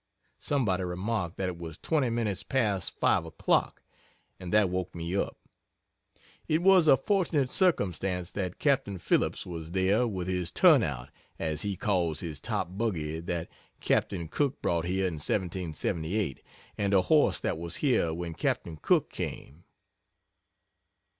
Somebody remarked that it was twenty minutes past five o'clock, and that woke me up. It was a fortunate circumstance that Cap. Phillips was there with his 'turn out,' as he calls his top buggy that Cap. Cook brought here in 1778, and a horse that was here when Cap. Cook came."